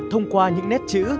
thông qua những nét chữ